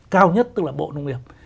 cao nhất tức là bộ nông nghiệp